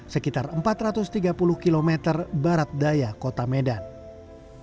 sekitar empat ratus tiga puluh km barat daya kota medan